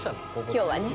今日はね